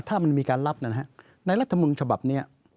ถ้ามันมีการรับในรัฐมนต์ฉบับนี้